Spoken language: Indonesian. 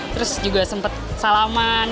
terus juga sempet salaman